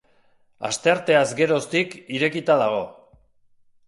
Astearteaz geroztik irekita dago.